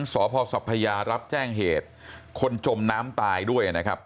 สพสัพพยารับแจ้งเหตุคนจมน้ำตายด้วยนะครับ